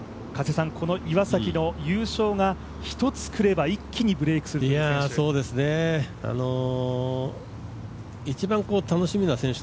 この岩崎の優勝が１つ来れば、一気にブレイクする選手。